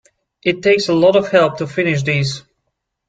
It takes a lot of help to finish these.